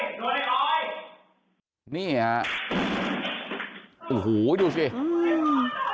นี่โอ้ยโอ้ยนี่อ่ะอูหูดูสิอืม